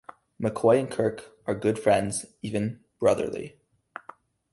McCoy and Kirk are good friends, even "brotherly".